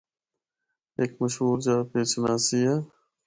ہک مشہور جآ ’پیر چناسی‘ اے۔